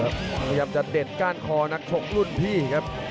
พยายามจะเด็ดก้านคอนักชกรุ่นพี่ครับ